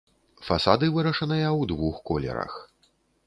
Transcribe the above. Фасады вырашаныя ў двух колерах.